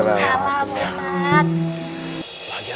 loh perangkanya ada maika